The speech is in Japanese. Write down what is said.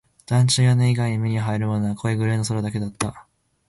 団地の屋根以外に目に入るものは濃いグレーの空だけだった